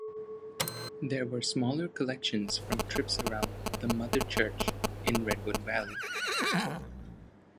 There were smaller collections from trips around the "mother church" in Redwood Valley.